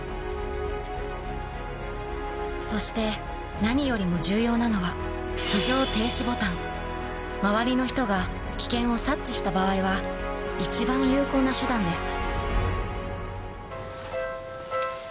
そして何よりも重要なのは周りの人が危険を察知した場合は一番有効な手段です